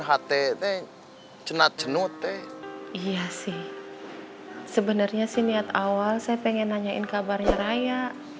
htp cenat cenut teh iya sih sebenarnya sih niat awal saya pengen nanyain kabarnya raya